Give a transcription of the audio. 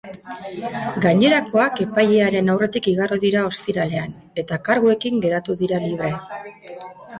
Gainerakoak epaileraren aurretik igaro dira ostiralean, eta karguekin geratu dira libre.